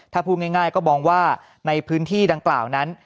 ถ้าพูดง่ายก็มองว่าในพื้นที่ดังกล่าวนั้น